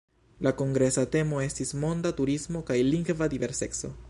La kongresa temo estis "Monda turismo kaj lingva diverseco".